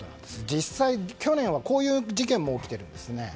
実際、去年はこういう事件も起きているんですね。